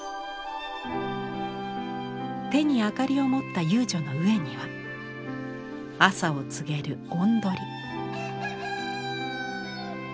手に明かりを持った遊女の上には朝を告げる雄鶏。